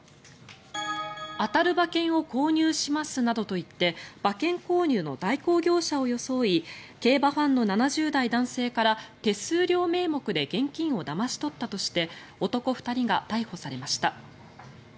当たる馬券を購入しますなどと言って馬券購入の代行業者を装い競馬ファンの７０代男性から手数料名目で現金をだまし取ったとして男２人が逮捕されました。